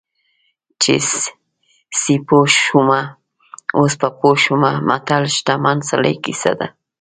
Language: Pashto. چې سیپو شومه اوس په پوه شومه متل د شتمن سړي کیسه ده